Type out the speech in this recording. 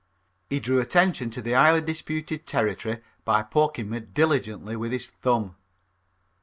He drew attention to the highly disputed territory by poking me diligently with his thumb.